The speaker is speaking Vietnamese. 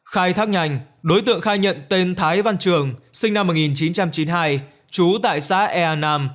khai thác nhanh đối tượng khai nhận tên thái văn trường sinh năm một nghìn chín trăm chín mươi hai trú tại xã ea nam